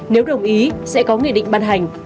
nếu đồng ý sẽ có nghị định ban hành